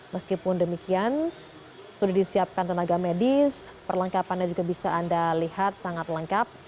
meskipun demikian sudah disiapkan tenaga medis perlengkapannya juga bisa anda lihat sangat lengkap